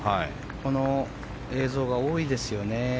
この映像が多いですよね